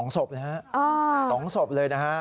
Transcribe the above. ๒สบเลยนะฮะ๒สบเลยนะฮะ